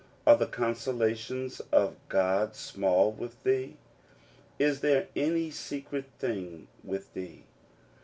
"Are the consolations of God small with thee ? Is there any secret thing with thee